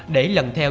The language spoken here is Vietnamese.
để lần theo